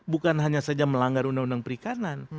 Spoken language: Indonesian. bukan hanya saja melanggar undang undang perikanan